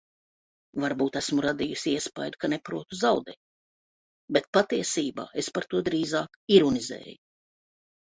Varbūt esmu radījusi iespaidu, ka neprotu zaudēt, bet patiesībā es par to drīzāk ironizēju.